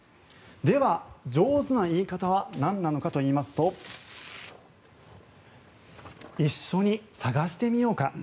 では上手な言い方は何なのかというと一緒に探してみようか。